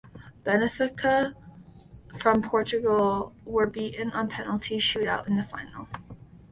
Benfica from Portugal were beaten on penalty shootout in the final.